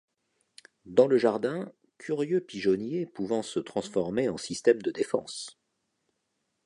Dans le jardin, curieux pigeonnier pouvant se transformer en système de défense.